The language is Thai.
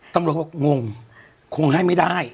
ตำรวจบอกงงคงให้ไม่ได้